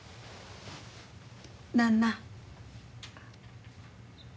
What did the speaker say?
何な？